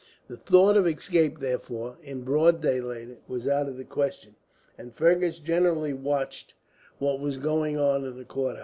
The thought of escape, therefore, in broad daylight was out of the question; and Fergus generally watched what was going on in the courtyard.